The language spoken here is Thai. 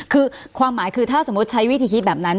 คือความหมายคือถ้าสมมุติใช้วิธีคิดแบบนั้น